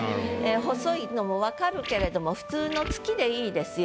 細いのも分かるけれども普通の月でいいですよ。